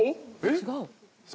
違う？